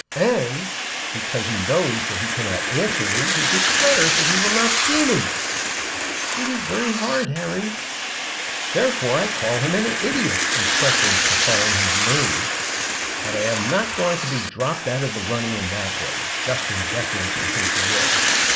And because he knows that he cannot answer me he declares that he will not see me." "It is very hard, Harry." "Therefore I call him an idiot in preference to calling him a knave. But I am not going to be dropped out of the running in that way, just in deference to his will.